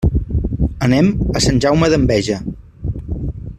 Anem a Sant Jaume d'Enveja.